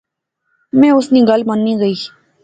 ما اس نی گل منی گئی